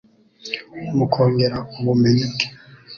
mu kongera ubumenyi bwe